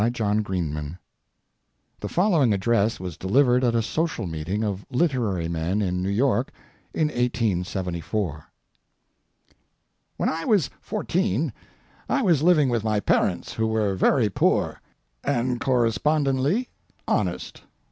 CATS AND CANDY The following address was delivered at a social meeting of literary men in New York in 1874: When I was fourteen I was living with my parents, who were very poor—and correspondently honest.